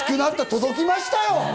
届きましたよ！